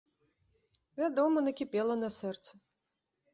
Вядома, накіпела на сэрцы.